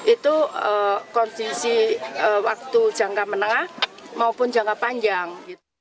itu kondisi waktu jangka menengah maupun jangka panjang